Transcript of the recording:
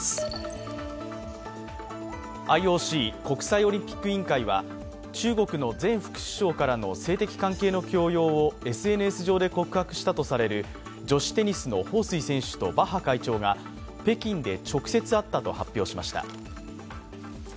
ＩＯＣ＝国際オリンピック委員会は中国の前副首相からの性的関係の強要をＳＮＳ上で告白したとされる女子テニスの彭帥選手とバッハ会長が北京で直接、会ったと報じました。